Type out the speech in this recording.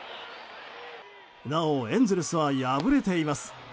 なおエンゼルスは敗れています。